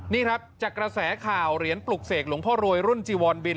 นี่ครับจากกระแสข่าวเหรียญปลุกเสกหลวงพ่อรวยรุ่นจีวอนบิน